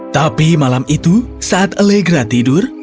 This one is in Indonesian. tapi malam itu saat elegra tidur